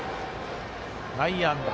内野安打。